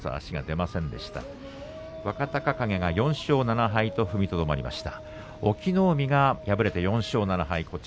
若隆景が４勝７敗と踏みとどまりました。